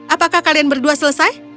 apakah kalian berdua selesai